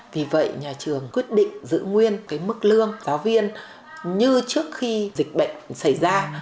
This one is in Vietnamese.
vì vậy nhà trường quyết định giữ nguyên cái mức lương giáo viên như trước khi dịch bệnh xảy ra